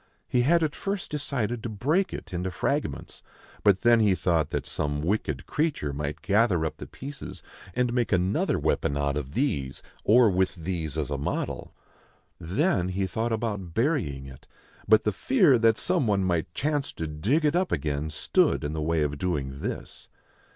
He had at first decided to break it into fragments; but then he thought that some wicked creature might gather up the pieces, and make another weapon out of these or with these as a model. Then he thought about burying it, but the fear that some one might chance to dig it up again stood in the way of doing this.